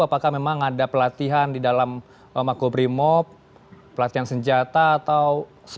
apakah memang ada pelatihan di dalam makobrimob pelatihan senjata atau